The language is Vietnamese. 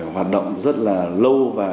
hoạt động rất là lâu